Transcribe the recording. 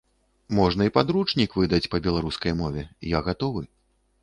Можна і падручнік выдаць па беларускай мове, я гатовы.